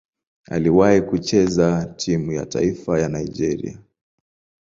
Aliwahi kucheza timu ya taifa ya Nigeria.